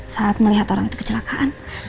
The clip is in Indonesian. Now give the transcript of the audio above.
saat melihat orang itu kecelakaan